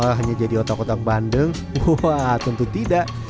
wah hanya jadi otak otak bandeng wah tentu tidak